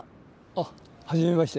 あっはじめまして。